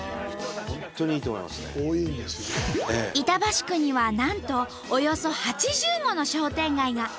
板橋区にはなんとおよそ８０もの商店街が！